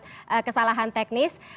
karena akibat kesalahan teknis